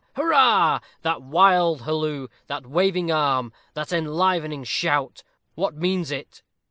hurrah! That wild halloo, that waving arm, that enlivening shout what means it?